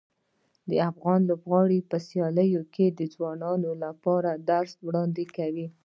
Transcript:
د افغان لوبغاړو په سیالیو کې د ځوانانو لپاره د درس وړاندې کوي.